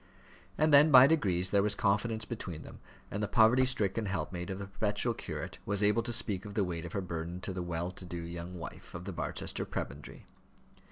And then, by degrees, there was confidence between them, and the poverty stricken helpmate of the perpetual curate was able to speak of the weight of her burden to the well to do young wife of the Barchester prebendary.